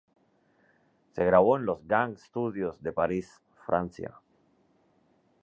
Se grabó en los Gang Studios de París, Francia.